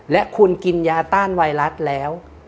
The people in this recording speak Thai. และคุณกินยาต้านไวรัสแล้ว